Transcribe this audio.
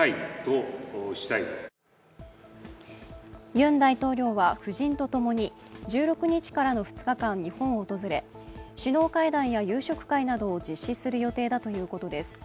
ユン大統領は夫人と共に１６日からの２日間、日本を訪れ首脳会談や夕食会などを実施する予定だということです。